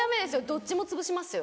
どっちもつぶしますよ。